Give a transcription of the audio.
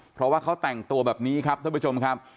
เพราะว่าเขาแต่งตัวแบบนี้ครับท่านผู้ชมครับ